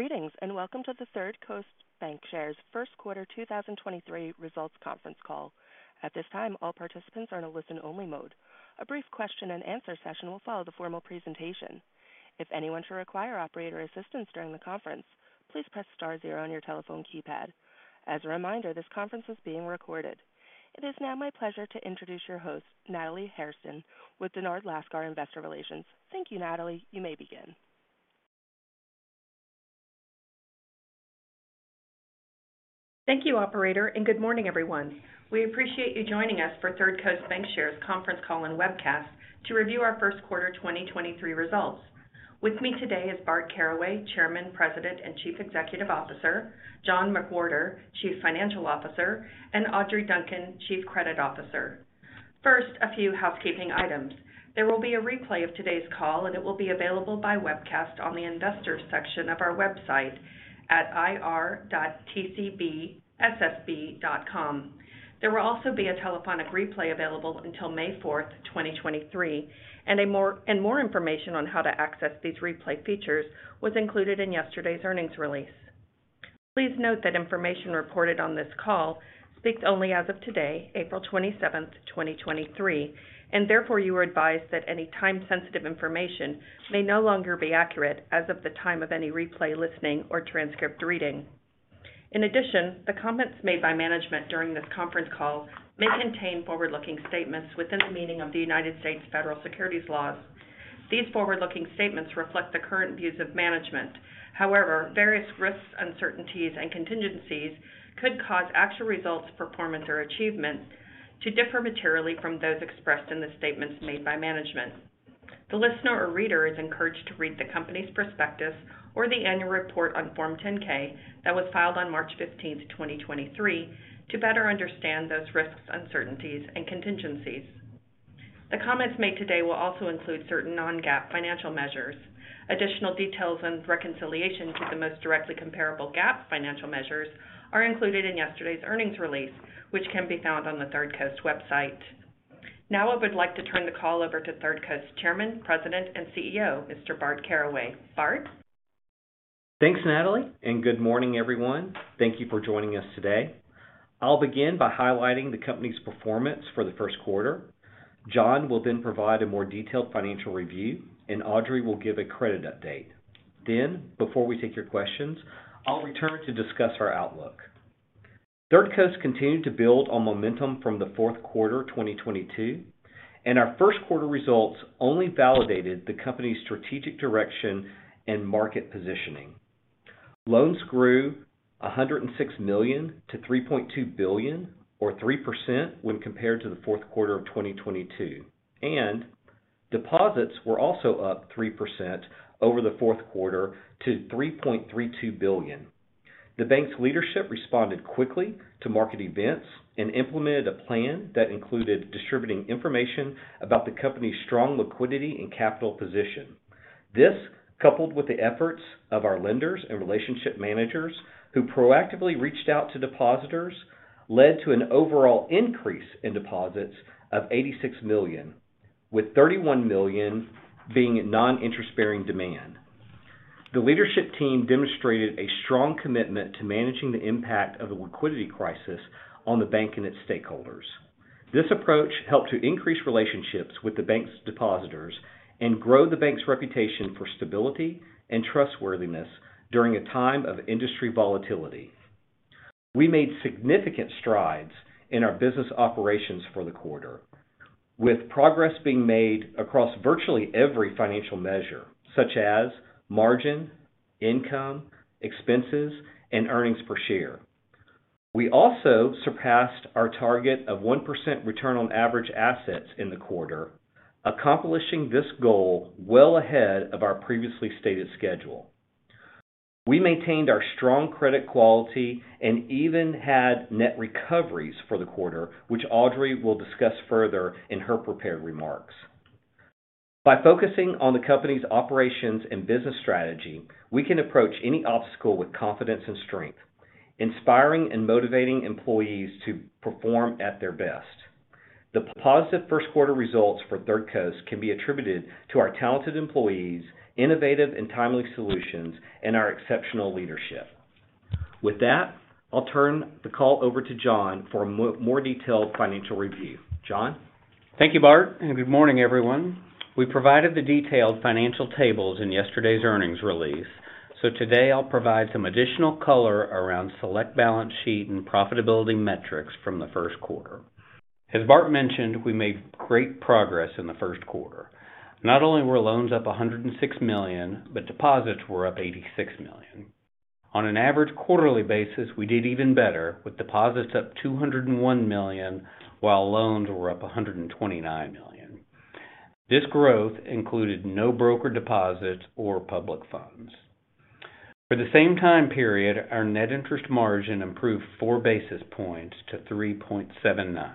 Greetings, and welcome to the Third Coast Bancshares First Quarter 2023 Results Conference Call. At this time, all participants are in a listen-only mode. A brief question-and-answer session will follow the formal presentation. If anyone should require operator assistance during the conference, please press star 0 on your telephone keypad. As a reminder, this conference is being recorded. It is now my pleasure to introduce your host, Natalie Hairston with Dennard Lascar Investor Relations. Thank you, Natalie. You may begin. Thank you, operator. Good morning, everyone. We appreciate you joining us for Third Coast Bancshares Conference Call and Webcast to review our First Quarter 2023 Results. With me today is Bart Caraway, Chairman, President, and Chief Executive Officer; John McWhorter, Chief Financial Officer; and Audrey Duncan, Chief Credit Officer. First, a few housekeeping items. There will be a replay of today's call, and it will be available by webcast on the investor section of our website at ir.tcbssb.com. There will also be a telephonic replay available until May 4, 2023, and more information on how to access these replay features was included in yesterday's earnings release. Please note that information reported on this call speaks only as of today, April 27, 2023, and therefore you are advised that any time-sensitive information may no longer be accurate as of the time of any replay listening or transcript reading. In addition, the comments made by management during this conference call may contain forward-looking statements within the meaning of the United States federal securities laws. These forward-looking statements reflect the current views of management. However, various risks, uncertainties, and contingencies could cause actual results, performance, or achievements to differ materially from those expressed in the statements made by management. The listener or reader is encouraged to read the company's prospectus or the annual report on Form 10-K that was filed on March 15, 2023, to better understand those risks, uncertainties, and contingencies. The comments made today will also include certain non-GAAP financial measures. Additional details and reconciliation to the most directly comparable GAAP financial measures are included in yesterday's earnings release, which can be found on the Third Coast website. I would like to turn the call over to Third Coast Chairman, President, and CEO, Mr. Bart Caraway. Bart? Thanks, Natalie. Good morning, everyone. Thank you for joining us today. I'll begin by highlighting the company's performance for the 1st quarter. John will then provide a more detailed financial review, and Audrey will give a credit update. Before we take your questions, I'll return to discuss our outlook. Third Coast continued to build on momentum from the fourth quarter 2022, and our first-quarter results only validated the company's strategic direction and market positioning. Loans grew $106 million to $3.2 billion, or 3% when compared to the fourth quarter of 2022. Deposits were also up 3% over the fourth quarter to $3.32 billion. The bank's leadership responded quickly to market events and implemented a plan that included distributing information about the company's strong liquidity and capital position. This, coupled with the efforts of our lenders and relationship managers who proactively reached out to depositors, led to an overall increase in deposits of $86 million, with $31 million being non-interest-bearing demand. The leadership team demonstrated a strong commitment to managing the impact of the liquidity crisis on the bank and its stakeholders. This approach helped to increase relationships with the bank's depositors and grow the bank's reputation for stability and trustworthiness during a time of industry volatility. We made significant strides in our business operations for the quarter, with progress being made across virtually every financial measure, such as margin, income, expenses, and earnings per share. We also surpassed our target of 1% return on average assets in the quarter, accomplishing this goal well ahead of our previously stated schedule. We maintained our strong credit quality and even had net recoveries for the quarter, which Audrey will discuss further in her prepared remarks. By focusing on the company's operations and business strategy, we can approach any obstacle with confidence and strength, inspiring and motivating employees to perform at their best. The positive first quarter results for Third Coast can be attributed to our talented employees, innovative and timely solutions, and our exceptional leadership. I'll turn the call over to John for more detailed financial review. John? Thank you, Bart, good morning, everyone. We provided the detailed financial tables in yesterday's earnings release, so today I'll provide some additional color around select balance sheet and profitability metrics from the first quarter. As Bart mentioned, we made great progress in the first quarter. Not only were loans up $106 million, but deposits were up $86 million. On an average quarterly basis, we did even better, with deposits up $201 million, while loans were up $129 million. This growth included no broker deposits or public funds. For the same time period, our net interest margin improved 4 basis points to 3.79%.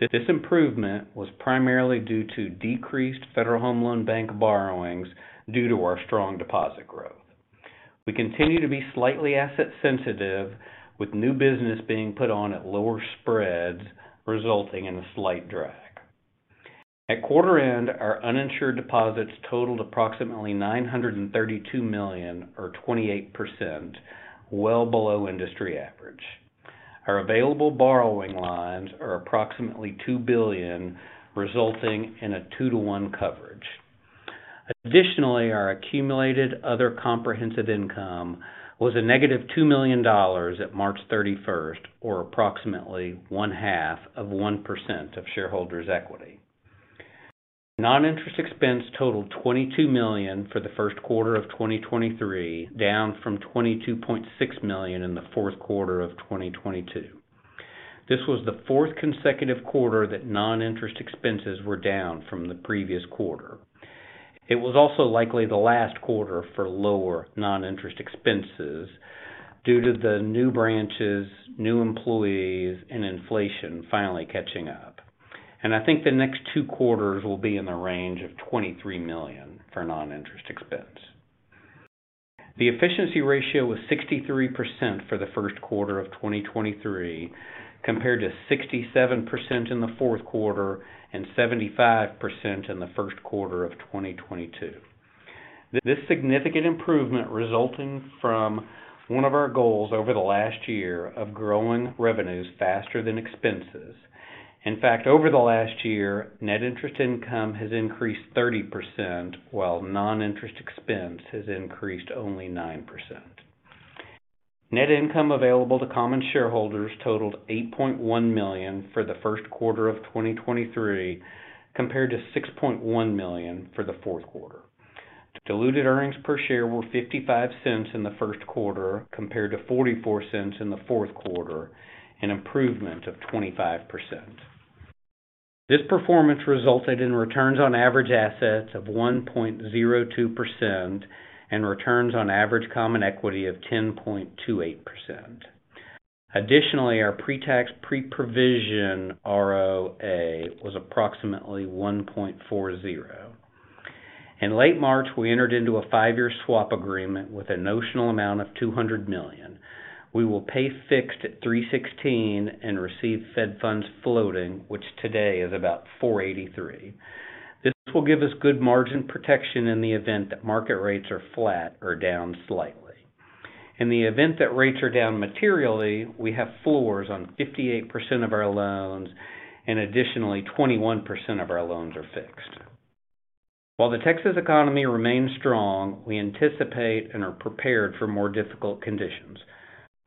This improvement was primarily due to decreased Federal Home Loan Bank borrowings due to our strong deposit growth. We continue to be slightly asset sensitive, with new business being put on at lower spreads, resulting in a slight drag. At quarter end, our uninsured deposits totaled approximately $932 million or 28%, well below industry average. Our available borrowing lines are approximately $2 billion, resulting in a two-to-one coverage. Our accumulated other comprehensive income was a negative $2 million at March 31st, or approximately one half of 1% of shareholders' equity. Non-interest expense totaled $22 million for the first quarter of 2023, down from $22.6 million in the fourth quarter of 2022. This was the fourth consecutive quarter that non-interest expenses were down from the previous quarter. It was also likely the last quarter for lower non-interest expenses due to the new branches, new employees, and inflation finally catching up. I think the next two quarters will be in the range of $23 million for non-interest expense. The efficiency ratio was 63% for the first quarter of 2023, compared to 67% in the fourth quarter and 75% in the first quarter of 2022. This significant improvement resulting from one of our goals over the last year of growing revenues faster than expenses. In fact, over the last year, net interest income has increased 30%, while non-interest expense has increased only 9%. Net income available to common shareholders totaled $8.1 million for the first quarter of 2023, compared to $6.1 million for the fourth quarter. Diluted earnings per share were $0.55 in the first quarter, compared to $0.44 in the fourth quarter, an improvement of 25%. This performance resulted in returns on average assets of 1.02% and returns on average common equity of 10.28%. Additionally, our pre-tax, pre-provision ROA was approximately 1.40%. In late March, we entered into a five-year swap agreement with a notional amount of $200 million. We will pay fixed at 3.16% and receive Fed funds floating, which today is about 4.83%. This will give us good margin protection in the event that market rates are flat or down slightly. In the event that rates are down materially, we have floors on 58% of our loans, and additionally, 21% of our loans are fixed. While the Texas economy remains strong, we anticipate and are prepared for more difficult conditions.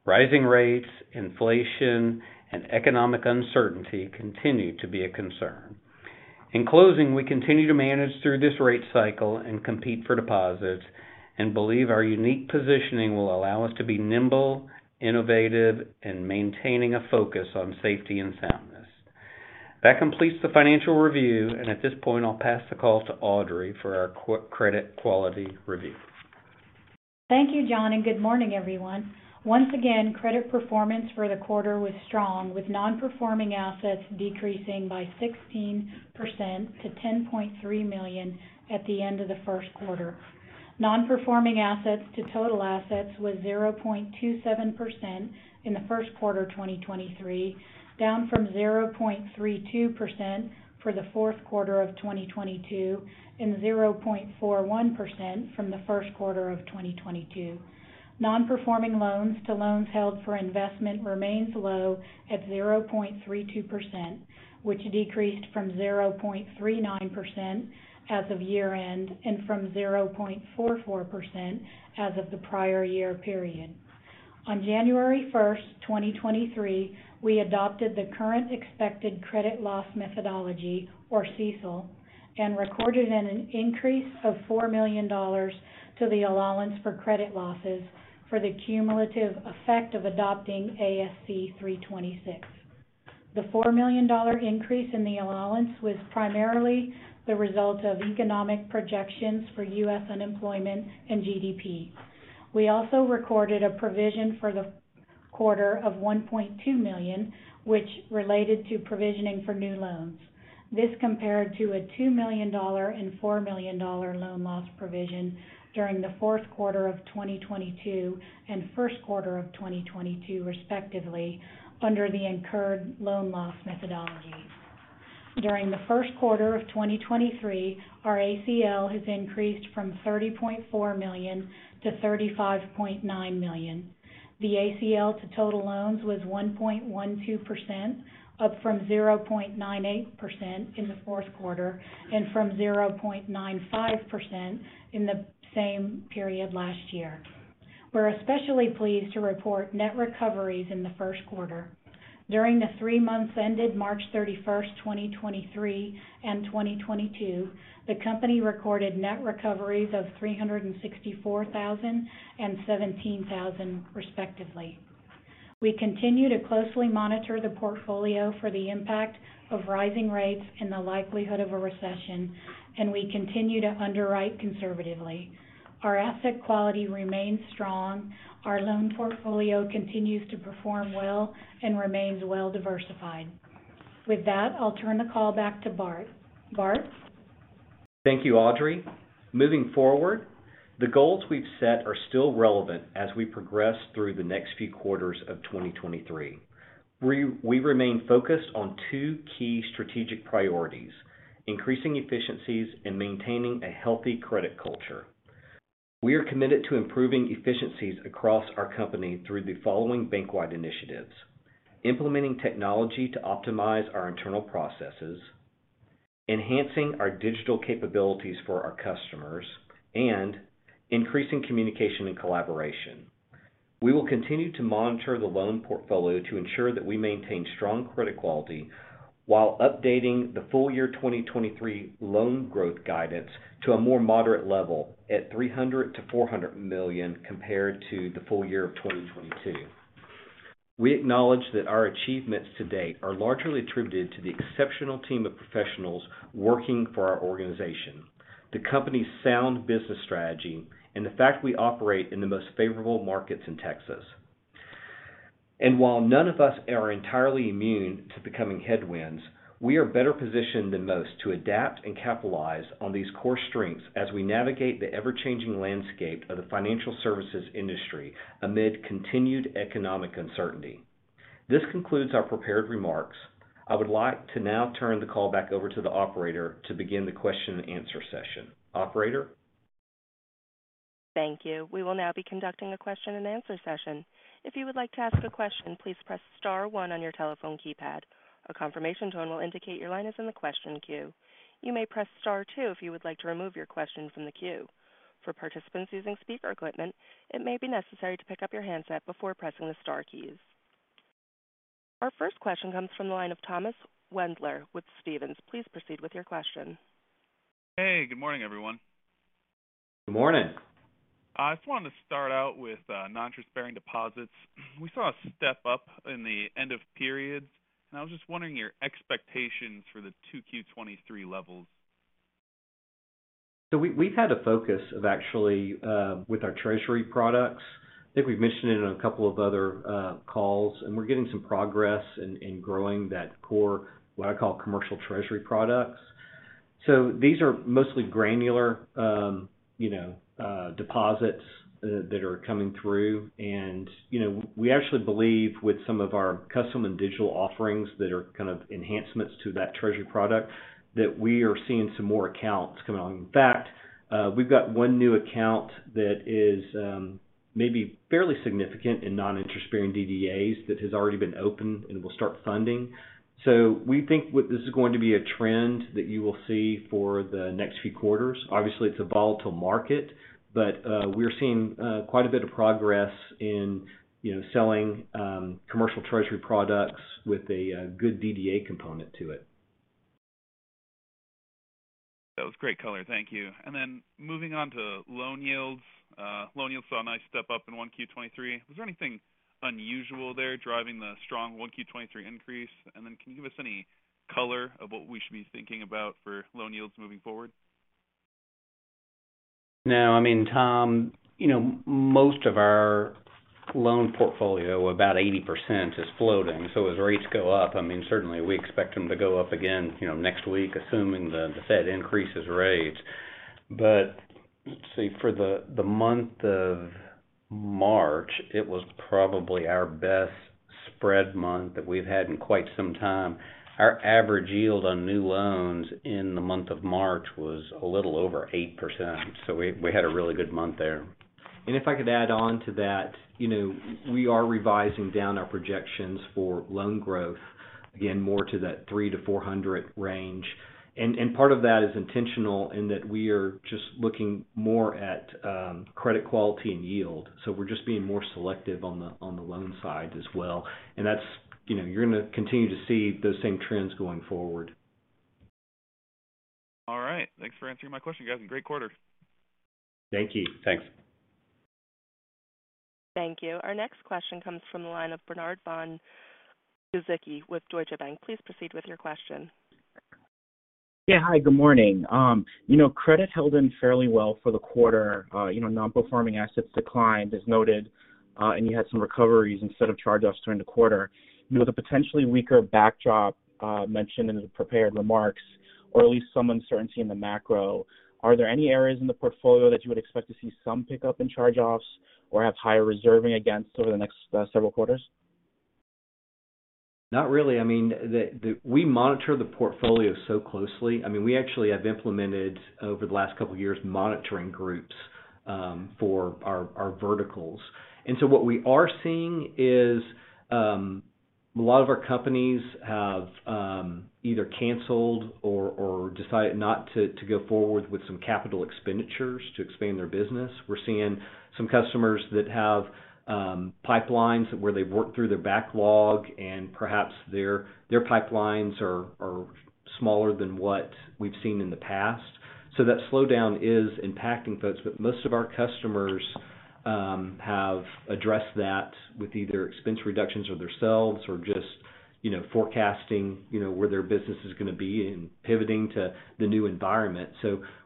Rising rates, inflation, and economic uncertainty continue to be a concern. In closing, we continue to manage through this rate cycle and compete for deposits and believe our unique positioning will allow us to be nimble, innovative, and maintaining a focus on safety and soundness. That completes the financial review, and at this point, I'll pass the call to Audrey for our credit quality review. Thank you, John. Good morning, everyone. Once again, credit performance for the quarter was strong, with non-performing assets decreasing by 16% to $10.3 million at the end of the first quarter. Non-performing assets to total assets was 0.27% in the first quarter of 2023, down from 0.32% for the fourth quarter of 2022 and 0.41% from the first quarter of 2022. Non-performing loans to loans held for investment remains low at 0.32%, which decreased from 0.39% as of year-end and from 0.44% as of the prior year period. On January 1, 2023, we adopted the Current Expected Credit Loss methodology or CECL, recorded an increase of $4 million to the allowance for credit losses for the cumulative effect of adopting ASC 326. The $4 million increase in the allowance was primarily the result of economic projections for US unemployment and GDP. We also recorded a provision for the quarter of $1.2 million, which related to provisioning for new loans. This compared to a $2 million and $4 million loan loss provision during the fourth quarter of 2022 and first quarter of 2022, respectively, under the Incurred Loss methodology. During the first quarter of 2023, our ACL has increased from $30.4 million to $35.9 million. The ACL to total loans was 1.12%, up from 0.98% in the fourth quarter and from 0.95% in the same period last year. We're especially pleased to report net recoveries in the first quarter. During the three months ended March 31, 2023 and 2022, the company recorded net recoveries of $364,000 and $17,000, respectively. We continue to closely monitor the portfolio for the impact of rising rates and the likelihood of a recession, and we continue to underwrite conservatively. Our asset quality remains strong. Our loan portfolio continues to perform well and remains well diversified. With that, I'll turn the call back to Bart. Bart? Thank you, Audrey. Moving forward, the goals we've set are still relevant as we progress through the next few quarters of 2023. We remain focused on two key strategic priorities, increasing efficiencies and maintaining a healthy credit culture. We are committed to improving efficiencies across our company through the following bank-wide initiatives. Implementing technology to optimize our internal processes, enhancing our digital capabilities for our customers, and increasing communication and collaboration. We will continue to monitor the loan portfolio to ensure that we maintain strong credit quality while updating the full year 2023 loan growth guidance to a more moderate level at $300 million to $400 million compared to the full year of 2022. We acknowledge that our achievements to date are largely attributed to the exceptional team of professionals working for our organization, the company's sound business strategy, and the fact we operate in the most favorable markets in Texas. While none of us are entirely immune to becoming headwinds, we are better positioned than most to adapt and capitalize on these core strengths as we navigate the ever-changing landscape of the financial services industry amid continued economic uncertainty. This concludes our prepared remarks. I would like to now turn the call back over to the operator to begin the question-and-answer session. Operator? Thank you. We will now be conducting a question-and-answer session. If you would like to ask a question, please press star one on your telephone keypad. A confirmation tone will indicate your line is in the question queue. You may press star two if you would like to remove your question from the queue. For participants using speaker equipment, it may be necessary to pick up your handset before pressing the star keys. Our first question comes from the line of Thomas Wendler with Stephens. Please proceed with your question. Hey, good morning, everyone. Good morning. I just wanted to start out with, non-interest-bearing deposits. We saw a step up in the end of period, and I was just wondering your expectations for the 2Q 2023 levels? We've had a focus of actually with our treasury products. I think we've mentioned it in a couple of other calls, and we're getting some progress in growing that core, what I call commercial treasury products. These are mostly granular, you know, deposits that are coming through. You know, we actually believe with some of our custom and digital offerings that are kind of enhancements to that treasury product, that we are seeing some more accounts coming on. In fact, we've got one new account that is maybe fairly significant in non-interest-bearing DDAs that has already been opened and will start funding. We think this is going to be a trend that you will see for the next few quarters. Obviously, it's a volatile market, but we're seeing, quite a bit of progress in selling, commercial treasury products with a good DDA component to it. That was great color. Thank you. Moving on to loan yields. Loan yields saw a nice step up in 1Q 2023. Was there anything unusual there driving the strong 1Q 2023 increase? Can you give us any color of what we should be thinking about for loan yields moving forward? No, Tom, most of our loan portfolio, about 80% is floating. As rates go up, I mean, certainly we expect them to go up again, you know, next week, assuming the Fed increases rates. Let's see, for the month of March, it was probably our best spread month that we've had in quite some time. Our average yield on new loans in the month of March was a little over 8%. We had a really good month there. If I could add on to that, you know, we are revising down our projections for loan growth, again, more to that $300-$400 range. Part of that is intentional in that we are just looking more at credit quality and yield. We're just being more selective on the, on the loan side as well. That's, you know, you're gonna continue to see those same trends going forward. All right. Thanks for answering my question, guys, and great quarter. Thank you. Thanks. Thank you. Our next question comes from the line of Bernard von Gizycki with Deutsche Bank. Please proceed with your question. Hi, good morning. You know, credit held in fairly well for the quarter. You know, non-performing assets declined as noted, and you had some recoveries instead of charge-offs during the quarter. You know, the potentially weaker backdrop, mentioned in the prepared remarks, or at least some uncertainty in the macro, are there any areas in the portfolio that you would expect to see some pickup in charge-offs or have higher reserving against over the next, several quarters? Not really. I mean, the we monitor the portfolio so closely. I mean, we actually have implemented over the last couple of years, monitoring groups for our verticals. What we are seeing is, a lot of our companies have either canceled or decided not to go forward with some capital expenditures to expand their business. We're seeing some customers that have pipelines where they've worked through their backlog and perhaps their pipelines are smaller than what we've seen in the past. That slowdown is impacting folks, but most of our customers have addressed that with either expense reductions or themselves or just, you know, forecasting, you know, where their business is gonna be and pivoting to the new environment.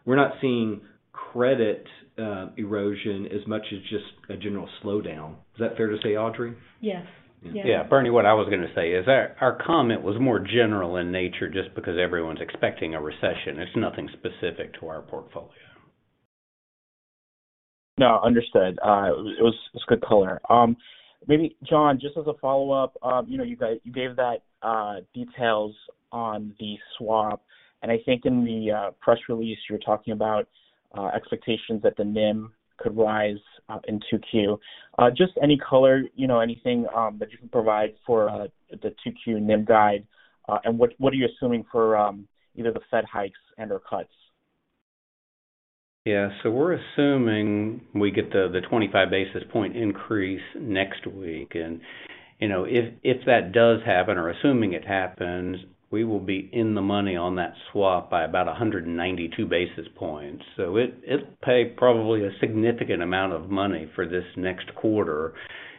We're not seeing credit erosion as much as just a general slowdown. Is that fair to say, Audrey? Bernie, what I was going to say is our comment was more general in nature just because everyone's expecting a recession. It's nothing specific to our portfolio. No, understood. It was good color. Maybe, John, just as a follow-up, you know, you gave that details on the swap, and I think in the press release, you were talking about expectations that the NIM could rise in 2Q. Just any color, you know, anything that you can provide for the 2Q NIM guide, and what are you assuming for either the Fed hikes and/or cuts? Yeah. We're assuming we get the 25 basis point increase next week. You know, if that does happen or assuming it happens, we will be in the money on that swap by about 192 basis points. It'll pay probably a significant amount of money for this next quarter.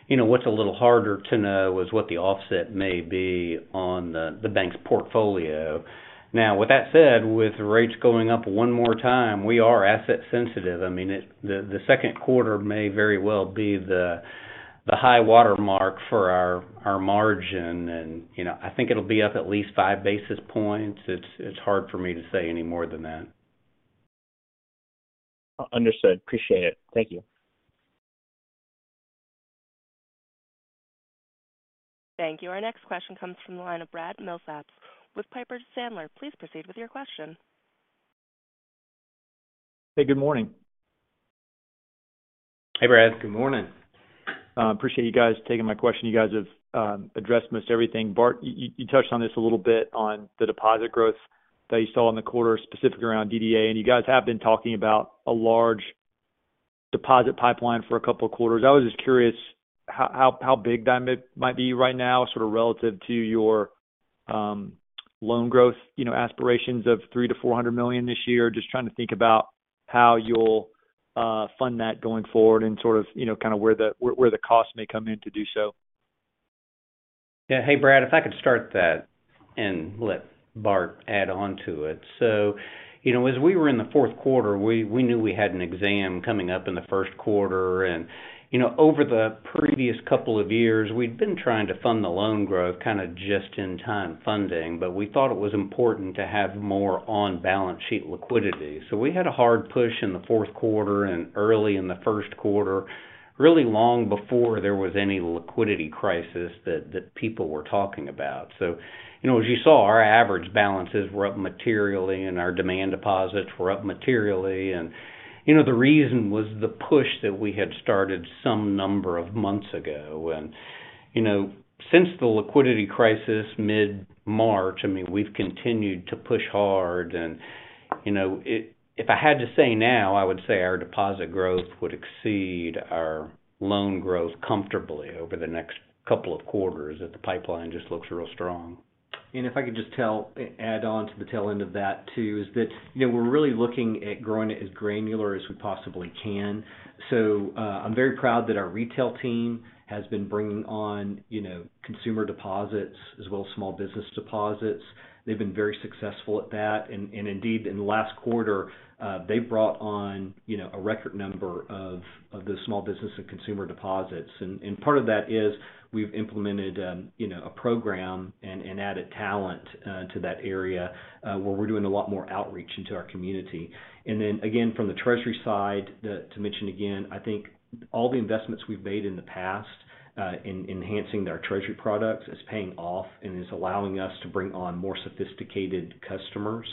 You know, what's a little harder to know is what the offset may be on the bank's portfolio. Now, with that said, with rates going up one more time, we are asset sensitive. I mean, the second quarter may very well be the high watermark for our margin and, you know, I think it'll be up at least 5 basis points. It's hard for me to say any more than that. Understood. Appreciate it. Thank you. Thank you. Our next question comes from the line of Brad Milsaps with Piper Sandler. Please proceed with your question. Hey, good morning. Hey, Brad. Good morning. Appreciate you guys taking my question. You guys have addressed most everything. Bart, you touched on this a little bit on the deposit growth that you saw in the quarter, specific around DDA, and you guys have been talking about a large deposit pipeline for a couple of quarters. I was just curious how big that might be right now relative to your loan growth, you know, aspirations of $300 million to $400 million this year. Just trying to think about how you'll fund that going forward and where the costs may come in to do so? Hey, Brad, if I could start that and let Bart add on to it. You know, as we were in the fourth quarter, we knew we had an exam coming up in the first quarter. You know, over the previous couple of years, we'd been trying to fund the loan growth kind of just in time funding, but we thought it was important to have more on-balance sheet liquidity. We had a hard push in the fourth quarter and early in the first quarter, really long before there was any liquidity crisis that people were talking about. You know, as you saw, our average balances were up materially and our demand deposits were up materially. You know, the reason was the push that we had started some number of months ago. You know, since the liquidity crisis mid-March, I mean, we've continued to push hard and, you know, if I had to say now, I would say our deposit growth would exceed our loan growth comfortably over the next couple of quarters, that the pipeline just looks real strong. If I could just add on to the tail end of that too, is that, you know, we're really looking at growing it as granular as we possibly can. I'm very proud that our retail team has been bringing on, you know, consumer deposits as well as small business deposits. They've been very successful at that. Indeed, in the last quarter, they brought on, you know, a record number of the small business and consumer deposits. Part of that is we've implemented, you know, a program and added talent to that area where we're doing a lot more outreach into our community. Again, from the treasury side, to mention again, I think all the investments we've made in the past in enhancing their treasury products is paying off and is allowing us to bring on more sophisticated customers.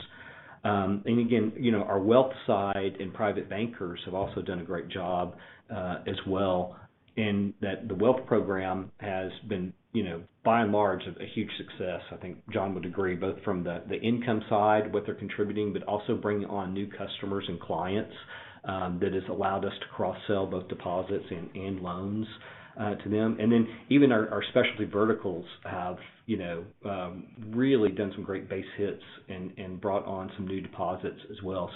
Again, you know, our wealth side and private bankers have also done a great job as well in that the wealth program has been, you know, by and large, a huge success. I think John would agree, both from the income side, what they're contributing, but also bringing on new customers and clients that has allowed us to cross-sell both deposits and loans to them. Even our specialty verticals have, you know, really done some great base hits and brought on some new deposits as well.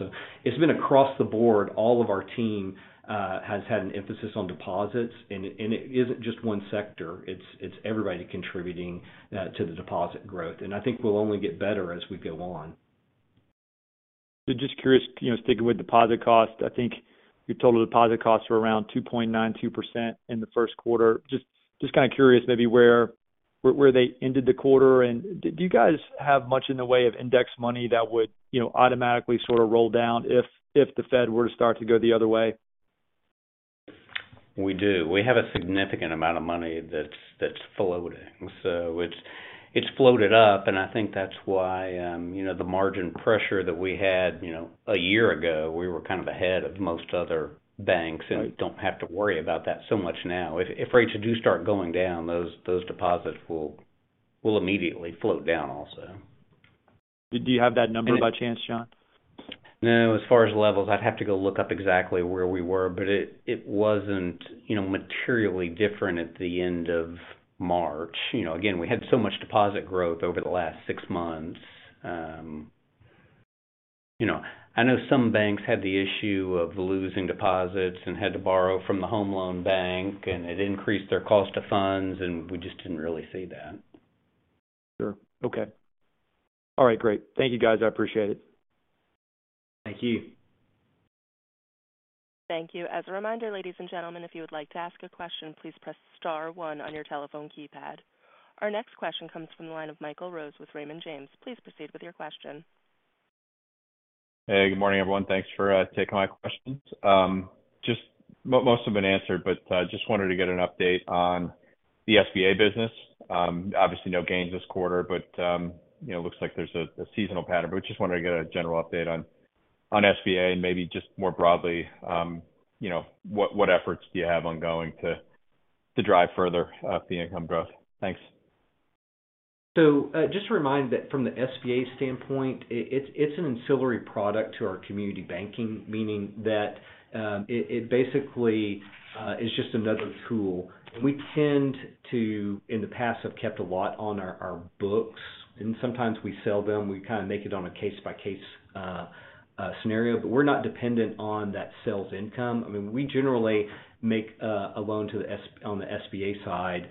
It's been across the board, all of our team has had an emphasis on deposits and it isn't just one sector, it's everybody contributing to the deposit growth. I think we'll only get better as we go on. Just curious, you know, sticking with deposit costs, I think your total deposit costs were around 2.92% in the first quarter. Just kind of curious maybe where they ended the quarter and did you guys have much in the way of index money that would, you know, automatically sort of roll down if the Fed were to start to go the other way? We do. We have a significant amount of money that's floating. It's floated up and I think that's why, you know, the margin pressure that we had, you know, a year ago, we were kind of ahead of most other banks. We don't have to worry about that so much now. If rates do start going down, those deposits will immediately float down also. Do you have that number by chance, John? No. As far as levels, I'd have to go look up exactly where we were, but it wasn't, you know, materially different at the end of March. You know, again, we had so much deposit growth over the last six months. You know, I know some banks had the issue of losing deposits and had to borrow from the Home Loan Bank, and it increased their cost of funds, and we just didn't really see that. Sure. Okay. All right, great. Thank you, guys. I appreciate it. Thank you. Thank you. As a reminder, ladies and gentlemen, if you would like to ask a question, please press star one on your telephone keypad. Our next question comes from the line of Michael Rose with Raymond James. Please proceed with your question. Hey, good morning, everyone. Thanks for taking my questions. Just most have been answered, but, just wanted to get an update on the SBA business. Obviously, no gains this quarter, but, you know, looks like there's a seasonal pattern. Just wanted to get a general update on SBA and maybe just more broadly, you know, what efforts do you have ongoing to drive further, fee income growth? Thanks. Just to remind that from the SBA standpoint, it's an ancillary product to our community banking, meaning that it basically is just another tool. We tend to, in the past, have kept a lot on our books, and sometimes we sell them. We kind of make it on a case-by-case scenario. We're not dependent on that sales income. I mean, we generally make a loan on the SBA side,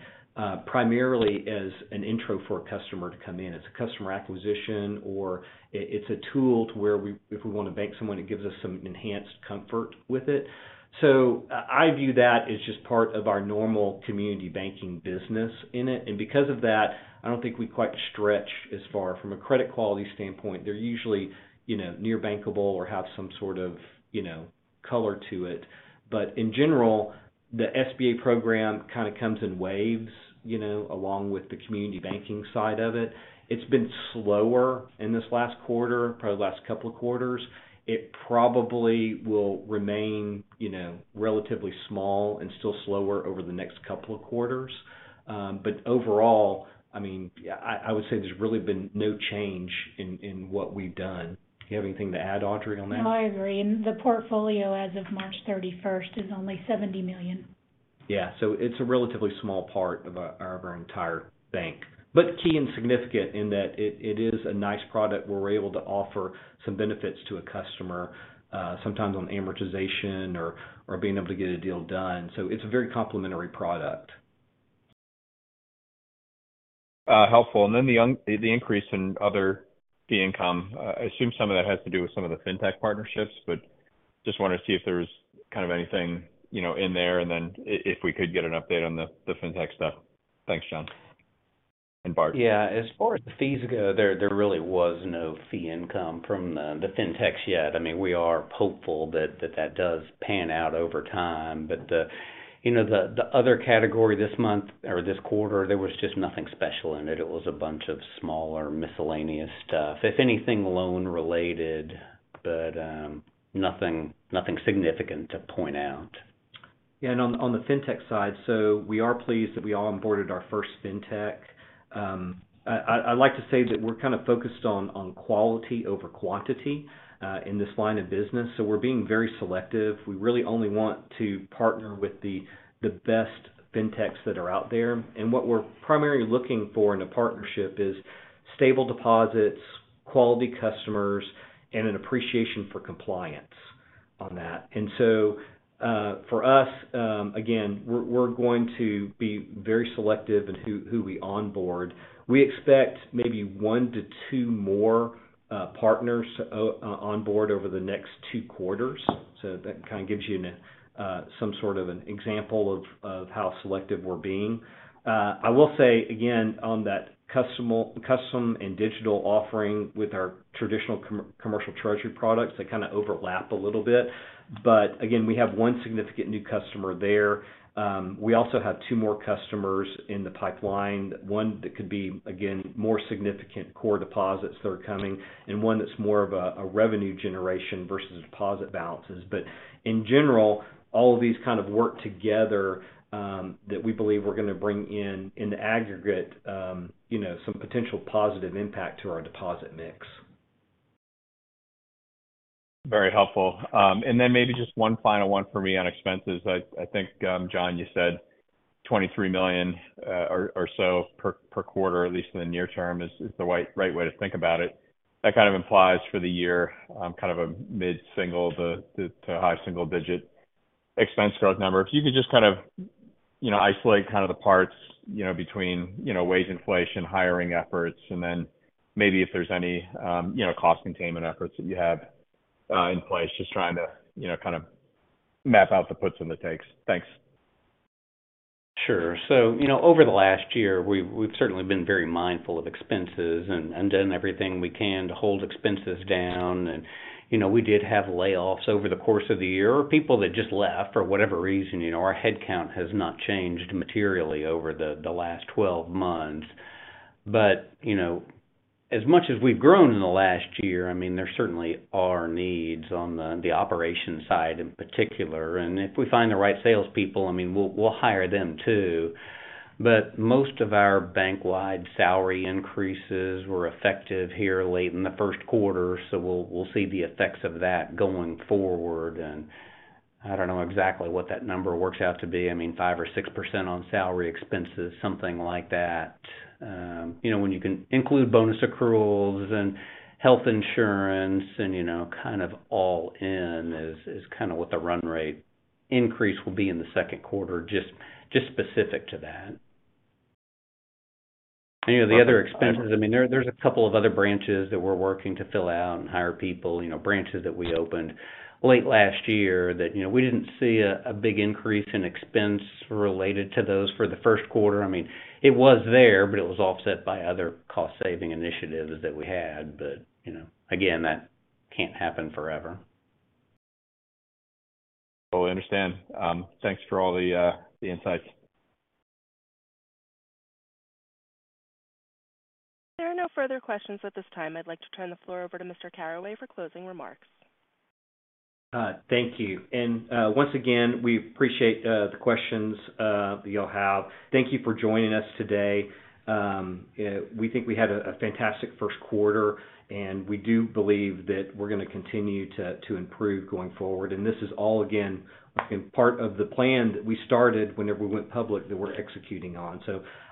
primarily as an intro for a customer to come in. It's a customer acquisition or it's a tool to where if we wanna bank someone, it gives us some enhanced comfort with it. I view that as just part of our normal community banking business in it. Because of that, I don't think we quite stretch as far from a credit quality standpoint. They're usually, you know, near bankable or have some sort of, you know, color to it. In general, the SBA program kind of comes in waves, you know, along with the community banking side of it. It's been slower in this last quarter, probably the last 2 quarters. It probably will remain, you know, relatively small and still slower over the next 2 quarters. Overall, I mean, I would say there's really been no change in what we've done. Do you have anything to add, Audrey, on that? No, I agree. The portfolio as of March 31st is only $70 million. It's a relatively small part of our entire bank. Key and significant in that it is a nice product where we're able to offer some benefits to a customer, sometimes on amortization or being able to get a deal done. It's a very complementary product. Helpful. Then the increase in other fee income, I assume some of that has to do with some of the fintech partnerships, but just wanted to see if there was kind of anything, you know, in there and then if we could get an update on the fintech stuff. Thanks, John. As far as the fees go, there really was no fee income from the fintechs yet. I mean, we are hopeful that that does pan out over time. You know, the other category this month or this quarter, there was just nothing special in it. It was a bunch of smaller miscellaneous stuff, if anything loan related, but, nothing significant to point out. On the fintech side, so we are pleased that we onboarded our first fintech. I'd like to say that we're kind of focused on quality over quantity, in this line of business, so we're being very selective. We really only want to partner with the best fintechs that are out there. What we're primarily looking for in a partnership is stable deposits, quality customers, an appreciation for compliance on that. For us, again, we're going to be very selective in who we onboard. We expect maybe 1-2 more partners on board over the next two quarters. That kind of gives you an example of how selective we're being. I will say again on that custom and digital offering with our traditional commercial treasury products, they overlap a little bit. Again, we have 1 significant new customer there. We also have two more customers in the pipeline, 1 that could be, again, more significant core deposits that are coming, and 1 that's more of a revenue generation versus deposit balances. In general, all of these kind of work together some potential positive impact to our deposit mix. Very helpful. Then maybe just one final one for me on expenses. I think John, you said $23 million, or so per quarter, at least in the near term is the right way to think about it. That implies for the year mid-single to high single-digit expense growth number. If you could just isolate kind of the parts between wage inflation, hiring efforts, and then maybe if there's any cost containment efforts that you have in place? Just trying to map out the puts and the takes. Thanks. Sure. Over the last year, we've certainly been very mindful of expenses and done everything we can to hold expenses down. You know, we did have layoffs over the course of the year, or people that just left for whatever reason, you know. Our head count has not changed materially over the last 12 months. You know, as much as we've grown in the last year, I mean, there certainly are needs on the operations side in particular. If we find the right salespeople, I mean, we'll hire them too. Most of our bank-wide salary increases were effective here late in the first quarter, so we'll see the effects of that going forward. I don't know exactly what that number works out to be. I mean, 5% or 6% on salary expenses, something like that. You know, when you can include bonus accruals and health insurance and, you know, kind of all in is kind of what the run rate increase will be in the second quarter, just specific to that. You know, the other expenses, I mean, there's a couple of other branches that we're working to fill out and hire people, you know, branches that we opened late last year that, you know, we didn't see a big increase in expense related to those for the first quarter. I mean, it was there, but it was offset by other cost-saving initiatives that we had. You know, again, that can't happen forever. Well, I understand. Thanks for all the insights. There are no further questions at this time. I'd like to turn the floor over to Mr. Caraway for closing remarks. Thank you. Once again, we appreciate the questions that you all have. Thank you for joining us today. We think we had a fantastic first quarter, we do believe that we're gonna continue to improve going forward. This is all again, part of the plan that we started whenever we went public that we're executing on.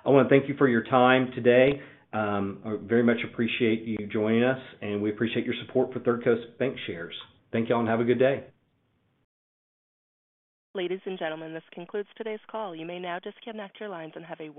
I wanna thank you for your time today. I very much appreciate you joining us, and we appreciate your support for Third Coast Bancshares. Thank you all, and have a good day. Ladies and gentlemen, this concludes today's call. You may now disconnect your lines and have a wonderful day.